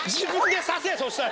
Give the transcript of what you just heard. そしたら！